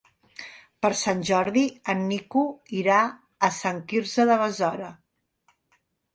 Per Sant Jordi en Nico irà a Sant Quirze de Besora.